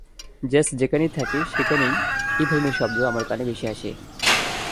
JS যেখানেই থাকে, সেখানেই এই ধরনের শব্দ আমার কানে ভেসে আসে।